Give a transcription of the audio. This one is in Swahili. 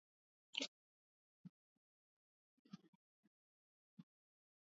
katika mkoa mmoja mmoja Vambery inabainisha umati